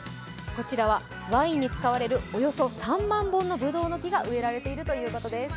こちらは、ワインに使われるおよそ３万本のぶどうの木が植えられているということです。